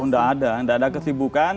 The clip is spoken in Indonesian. tidak ada tidak ada kesibukan